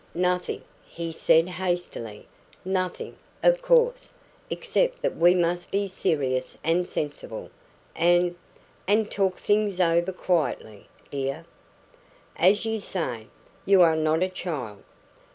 "Nothing," he said hastily "nothing, of course, except that we must be serious and sensible, and and talk things over quietly, dear. As you say, you are not a child.